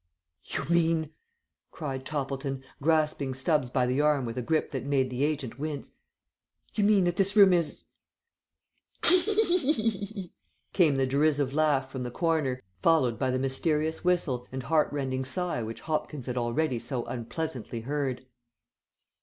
"You mean," cried Toppleton, grasping Stubbs by the arm with a grip that made the agent wince, "you mean that this room is " "Khee hee hee hee hee!" came the derisive laugh from the corner, followed by the mysterious whistle and heartrending sigh which Hopkins had already so unpleasantly heard.